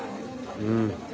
うん。